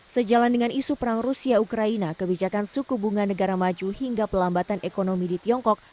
sejalan dengan isu perang rusia ukraina kebijakan suku bunga negara maju hingga pelambatan ekonomi di tiongkok